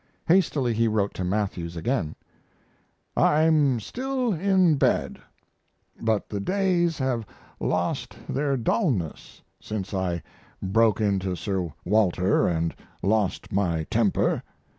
Hastily he wrote to Matthews again: I'm still in bed, but the days have lost their dullness since I broke into Sir Walter & lost my temper.